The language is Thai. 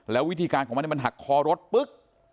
แล้ววิธีการของมันมันหักคอรถปึ๊ก